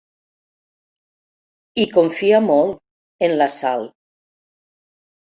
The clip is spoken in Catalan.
Hi confia molt, en la Sal.